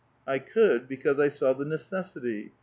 '' I could, because I saw the necessity.